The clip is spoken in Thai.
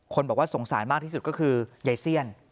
บอกว่าสงสารมากที่สุดก็คือยายเซียน